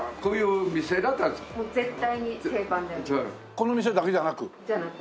この店だけじゃなく？じゃなく。